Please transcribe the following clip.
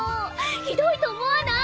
ひどいと思わない？